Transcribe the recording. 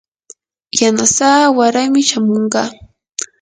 yanasaa waraymi shamunqa.